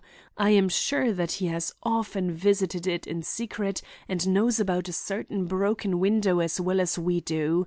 I am sure that he has often visited it in secret and knows about a certain broken window as well as we do.